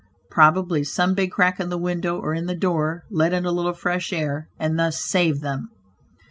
Probably some big crack in the window, or in the door, let in a little fresh air, and thus saved them.